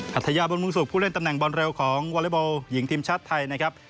ัทยาบุญมุงสุขผู้เล่นตำแหน่งบอลเร็วของวอเล็กบอลหญิงทีมชาติไทยนะครับ